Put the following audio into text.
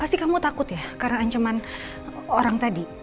pasti kamu takut ya karena ancaman orang tadi